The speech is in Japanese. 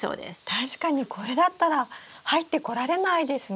確かにこれだったら入ってこられないですね。